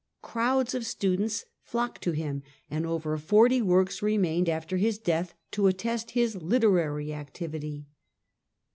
Crowds of students flocked to him, and over forty works remained after his death to attest his literary activity.